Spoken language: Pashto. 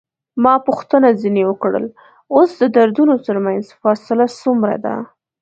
ما پوښتنه ځنې وکړل: اوس د دردونو ترمنځ فاصله څومره ده؟